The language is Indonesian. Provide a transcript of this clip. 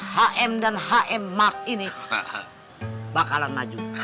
hm dan hm mark ini bakalan maju